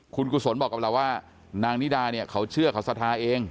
คุณกุศลบอกกับเราว่านางนิดาเนี่ยเขาเชื่อเขาศรัทธาเอง